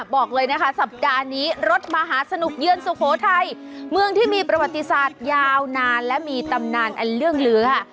บอกเลยนะคะสัปดาห์นี้รถมหาสนุกเยือนสุโขทัยเมืองที่มีประวัติศาสตร์ยาวนานและมีตำนานอันเรื่องเหลือ